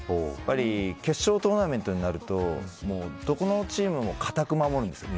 決勝トーナメントになるとどこのチームも堅く守るんです。